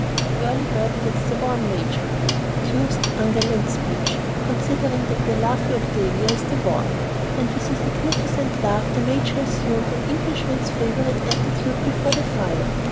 "The early bird gets the worm, Major." "Deuced ungallant speech, considering that the lovely Octavia is the worm," and with a significant laugh the major assumed an Englishman's favorite attitude before the fire.